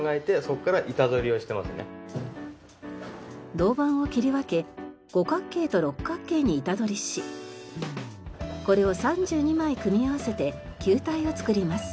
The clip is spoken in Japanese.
銅板を切り分け五角形と六角形に板取りしこれを３２枚組み合わせて球体を作ります。